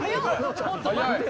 ちょっと待ってよ！